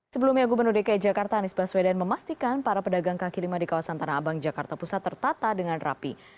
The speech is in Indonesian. sebelumnya gubernur dki jakarta anies baswedan memastikan para pedagang kaki lima di kawasan tanah abang jakarta pusat tertata dengan rapi